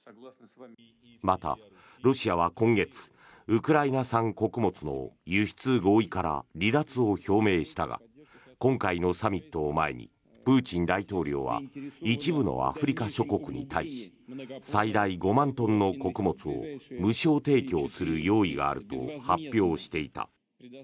また、ロシアは今月ウクライナ産穀物の輸出合意から離脱を表明したが今回のサミットを前にプーチン大統領は一部のアフリカ諸国に対し最大５万トンの穀物を無償提供する用意があると発表していた。